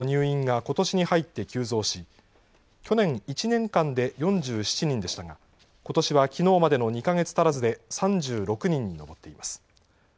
感染した妊婦の入院がことしに入って急増し去年１年間で４７人でしたがことしはきのうまでの２か月足らずで３６人に上っています。